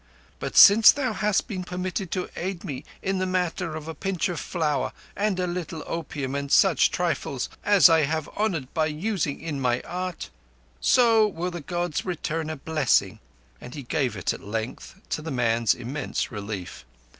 "But since thou hast been permitted to aid me in the matter of a pinch of flour and a little opium and such trifles as I have honoured by using in my art, so will the Gods return a blessing," and he gave it at length, to the man's immense relief.